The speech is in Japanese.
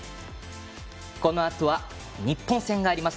このあとは、日本戦があります。